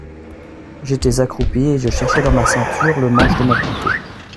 J'étais accroupi, et je cherchais dans ma ceinture le manche de mon couteau.